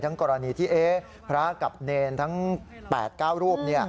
กรณีที่พระกับเนรทั้ง๘๙รูป